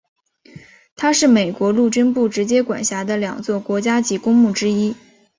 它是美国陆军部直接管辖的两座国家级公墓之一。